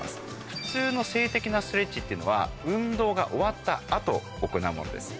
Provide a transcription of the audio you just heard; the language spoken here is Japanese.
普通の静的なストレッチっていうのは運動が終わった後行うものです。